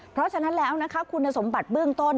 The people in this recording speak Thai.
เพราะฉะนั้นแล้วนะคะคุณสมบัติเบื้องต้น